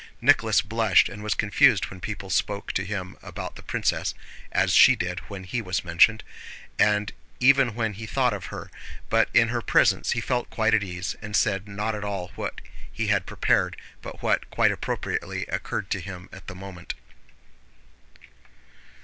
Nicholas blushed and was confused when people spoke to him about the princess (as she did when he was mentioned) and even when he thought of her, but in her presence he felt quite at ease, and said not at all what he had prepared, but what, quite appropriately, occurred to him at the moment.